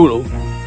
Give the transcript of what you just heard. aku akan menemukanmu